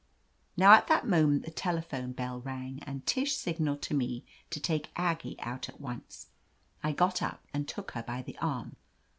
Now at that moment the telephone bell rang, ft and Tish signaled to me to take Aggie out at once. I got up and took her by the arm.